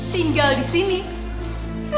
tinggal di sini